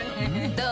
どう？